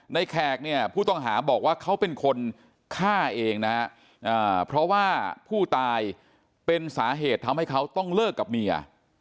แขกเนี่ยผู้ต้องหาบอกว่าเขาเป็นคนฆ่าเองนะฮะเพราะว่าผู้ตายเป็นสาเหตุทำให้เขาต้องเลิกกับเมีย